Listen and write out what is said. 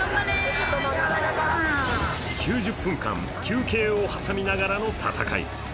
９０分間、休憩を挟みながらの戦い。